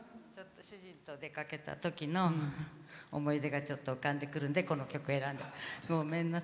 主人と出かけたときの思い出がちょっと浮かんでくるんでこの曲選びました。